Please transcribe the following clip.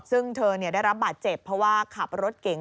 ซึ่งเธอได้รับบาดเจ็บเพราะว่าขับรถเก๋ง